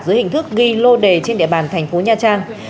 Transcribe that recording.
dưới hình thức ghi lô đề trên địa bàn thành phố nha trang